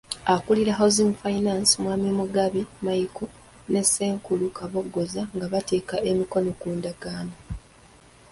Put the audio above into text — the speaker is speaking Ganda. Akulira Housing Finance, Mwami Mugabi Michael ne Ssenkulu Kabogoza nga bateeka emikono ku ndagaano.